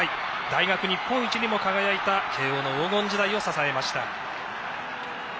大学日本一にも輝いた慶応の黄金時代を支えました。